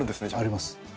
あります。